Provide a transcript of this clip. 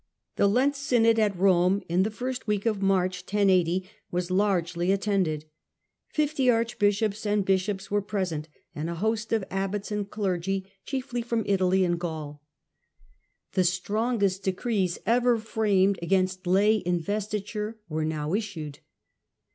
The Lent synod at Rome in the first week of March was largely attended. Fifty archbishops and bishops were present, and b host of abbots and clergy, chiefly Digitized by VjOOQIC 142 HiLDEBRAND firom Italy and Gaul. The strongest decrees ever framed against lay investiture were now issued.